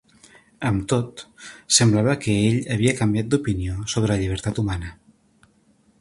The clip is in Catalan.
Amb tot, semblava que ell havia canviat d'opinió sobre la llibertat humana.